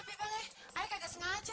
jalan ya pas aja